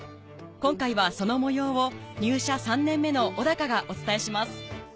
今回はその模様を入社３年目の小がお伝えします